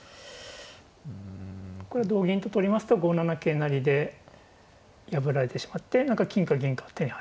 これ同銀と取りますと５七桂成で破られてしまって金か銀かが手に入る。